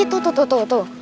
itu tuh tuh tuh